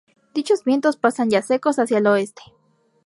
Dichos vientos pasan ya secos hacia el oeste.